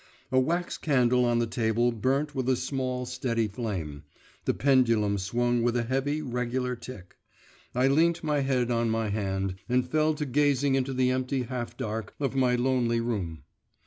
A wax candle on the table burnt with a small, steady flame, the pendulum swung with a heavy, regular tick. I leant my head on my hand and fell to gazing into the empty half dark of my lonely room.